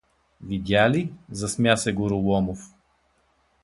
— Видя ли? — засмя се Гороломов.